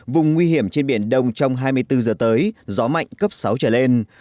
vùng nguy hiểm trên biển đông trong hai mươi bốn giờ tới gió mạnh cấp sáu trở lên